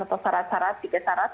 atau syarat syarat tiga syarat